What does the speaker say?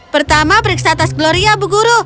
pertama periksa atas gloria bu guru